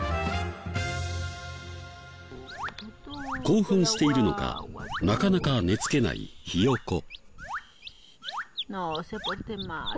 興奮しているのかなかなか寝付けないひよこ。